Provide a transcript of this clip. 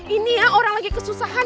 ini orang lagi kesusahan